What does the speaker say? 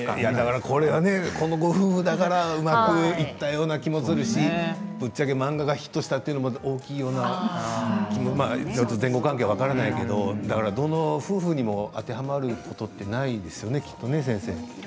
これはこのご夫婦だからうまくいったような気もするしぶっちゃけ漫画がヒットしたというのも大きいような前後関係が分からないけどどの夫婦にも当てはまることじゃないですよね、先生。